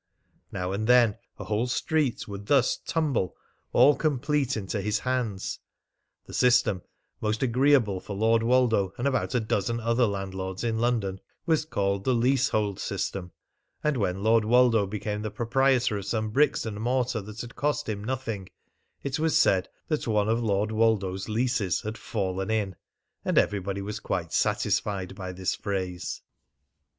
Now and then a whole street would thus tumble all complete into his hands. The system, most agreeable for Lord Woldo and about a dozen other landlords in London, was called the leasehold system; and when Lord Woldo became the proprietor of some bricks and mortar that had cost him nothing, it was said that one of Lord Woldo's leases had "fallen in," and everybody was quite satisfied by this phrase.